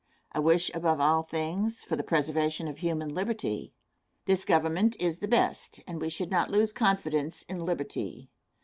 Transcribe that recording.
I wish, above all things, for the preservation of human liberty. This Government is the best, and we should not lose confidence in liberty.